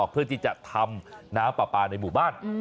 เพื่อที่จะทำน้ำปลาปลาในหมู่บ้าน